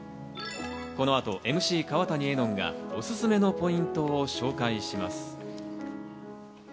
この後、ＭＣ川谷絵音がおすすめのポイントを紹介します。